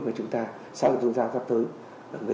mà chúng ta sau khi chúng ta gặp tới